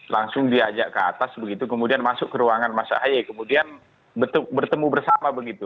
langsung diajak ke atas begitu kemudian masuk ke ruangan mas ahy kemudian bertemu bersama begitu